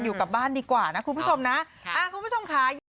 อยู่กลับบ้านดีกว่านะครูผู้ชมนะ